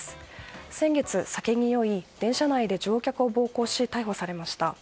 先月、酒に酔い電車内で乗客を暴行し逮捕されました。